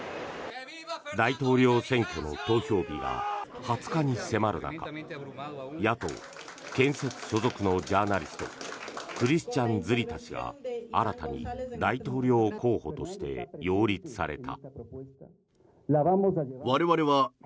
大統領選挙の投票日が２０日に迫る中野党・建設所属のジャーナリストクリスチャン・ズリタ氏が新たに大統領候補として擁立された。